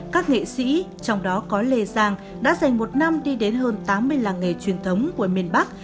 các nghệ sĩ trong đó có lê giang đã dành một năm đi đến hơn tám mươi làng nghề truyền thống của miền bắc